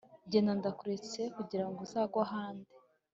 genda ndakuretse kugirango uzagwe ahandi